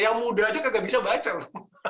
yang muda aja nggak bisa baca loh